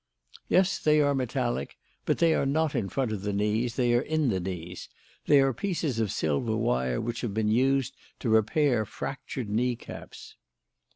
"Yes, they are metallic. But they are not in front of the knees; they are in the knees. They are pieces of silver wire which have been used to repair fractured knee caps."